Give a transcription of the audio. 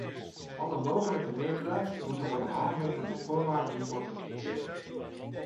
Alle mogelijke middelen moeten worden aangewend om de voorwaarden hiervoor te creëren.